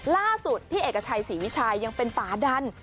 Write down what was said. ล่าสุดพี่เอกชัยศรีวิชัยยังเป็นป่าดัน